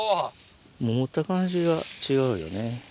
もう持った感じが違うよね。